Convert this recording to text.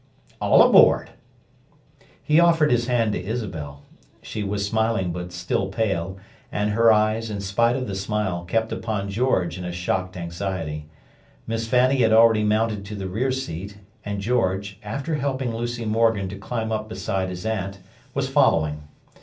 "All aboard!" He offered his hand to Isabel. She was smiling but still pale, and her eyes, in spite of the smile, kept upon George in a shocked anxiety. Miss Fanny had already mounted to the rear seat, and George, after helping Lucy Morgan to climb up beside his aunt, was following.